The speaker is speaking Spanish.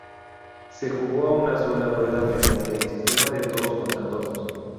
Se jugó a una sola rueda mediante el sistema de todos contra todos.